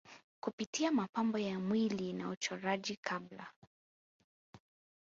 kupitia mapambo ya mwili na uchoraji Kabla